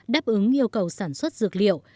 đáp ứng yêu cầu sản xuất dược liệu